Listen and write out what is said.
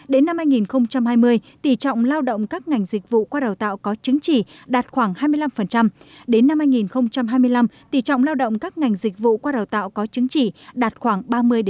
đến năm hai nghìn hai mươi tỷ trọng lao động các ngành dịch vụ qua đào tạo có chứng chỉ đạt khoảng hai mươi năm đến năm hai nghìn hai mươi năm tỷ trọng lao động các ngành dịch vụ qua đào tạo có chứng chỉ đạt khoảng ba mươi ba mươi